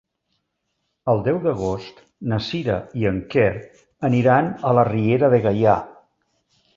El deu d'agost na Sira i en Quer aniran a la Riera de Gaià.